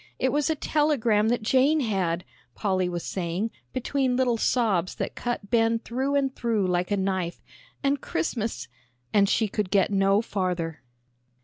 It was a telegram that Jane had," Polly was saying, between little sobs that cut Ben through and through like a knife. "And Christmas " and she could get no farther.